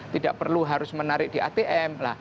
tidak perlu harus menarik di atm